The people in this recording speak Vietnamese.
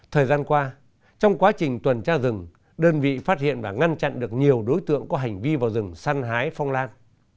thời gian qua trong quá trình tuần tra rừng đơn vị phát hiện và ngăn chặn được nhiều đối tượng có hành vi vào rừng săn hái phong lan